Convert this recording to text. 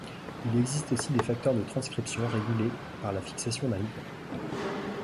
Il existe aussi des facteurs de transcription régulés par la fixation d'un ligand.